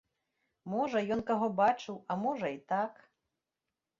Можа, ён каго бачыў, а можа, і так.